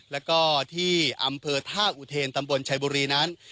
แล้วก็ที่อำเภอท่าอุเทนตำบลชัยบุรีนั้น